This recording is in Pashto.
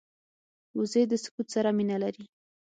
وزې د سکوت سره مینه لري